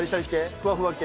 ふわふわ系？